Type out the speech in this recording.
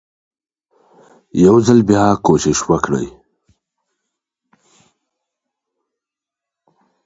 يو ځل بيا کوښښ وکړئ